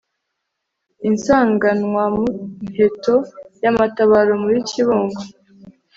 insanganwamuheto ya matabaro muri kibungo